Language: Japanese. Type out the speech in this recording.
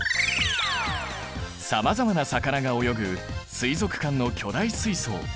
さまざまな魚が泳ぐ水族館の巨大水槽。